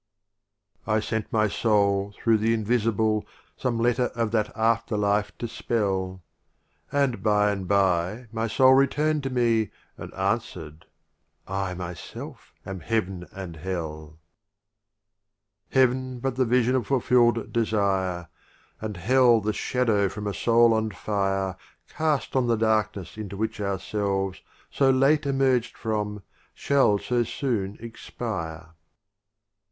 24 LXVI. I sent my Soul through the In RubaUyat visible> °Kh a ma L Some letter of that After life to spell : And by and by my Soul return'd to me, And answer'd "I Myself am Heav'n and Hell:" LZVII. Heav'n but the Vision of fulfill'd Desire, And Hell the Shadow from a Soul on fire, Cast on the Darkness into which Ourselves, So late emerged from, shall so soon expire.